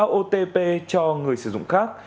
không có otp cho người sử dụng khác